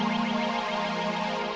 ini buat tati sendiri